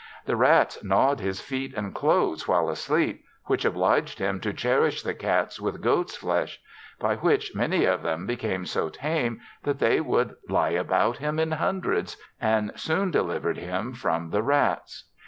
The rats knaw'd his feet and clothes while asleep, which obliged him to cherish the cats with goats flesh ; by which many of them became so tame that they would lie about him in hundreds, and soon deliver'd him from the rats.